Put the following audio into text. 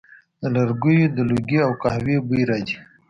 د لرګیو د لوګي او قهوې بوی راځي